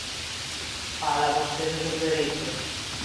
Fala vostede dos dereitos.